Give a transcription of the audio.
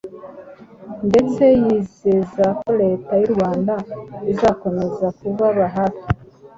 ndetse yizeza ko Leta y’u Rwanda izakomeza kubaba hafi.